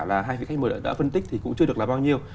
là hai một mươi đã phân tích thì cũng chưa được là bao nhiêu